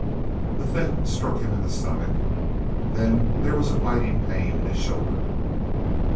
The thing struck him in the stomach. Then there was a biting pain in his shoulder...